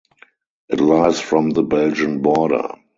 It lies from the Belgian border.